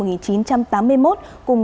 cùng chú nguyễn ái quốc